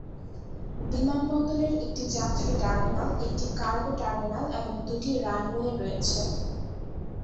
বিমানবন্দরের একটি যাত্রী টার্মিনাল, একটি কার্গো টার্মিনাল এবং দুটি রানওয়ে রয়েছে।